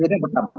ini yang pertama